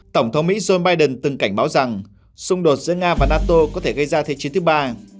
tổng thống mỹ joe biden từng cảnh báo rằng xung đột giữa nga và nato có thể gây ra thế chiến thứ ba